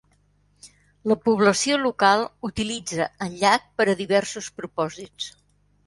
La població local utilitza el llac per a diversos propòsits.